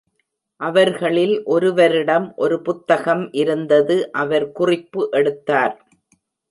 அவர்களில் ஒருவரிடம் ஒரு புத்தகம் இருந்தது, அவர் குறிப்பு எடுத்தார்.